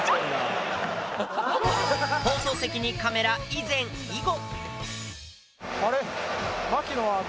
放送席にカメラ以前以後。